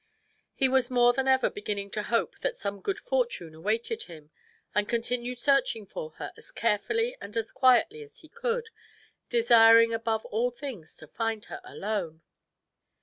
He was more than ever beginning to hope that some good fortune awaited him, and continued searching for her as carefully and as quietly as he could, desiring above all things to find her alone.